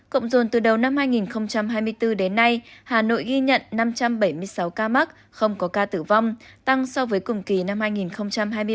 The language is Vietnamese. cộng dồn từ đầu năm hai nghìn hai mươi bốn đến nay hà nội ghi nhận năm trăm bảy mươi sáu ca mắc không có ca tử vong tăng so với cùng kỳ năm hai nghìn hai mươi ba